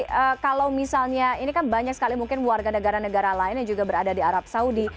jadi kalau misalnya ini kan banyak sekali mungkin warga negara negara lain yang juga berada di arab saudi